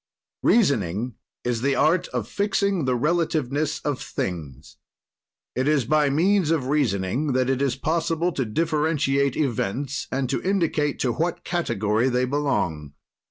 "Reasoning is the art of fixing the relativeness of things. "It is by means of reasoning that it is possible to differentiate events and to indicate to what category they belong.